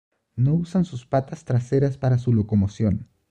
No usan sus patas traseras para su locomoción.